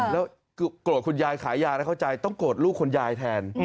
แล้วโกรธคุณยายขายยาแล้วเข้าใจต้องโกรธลูกคุณยายแทน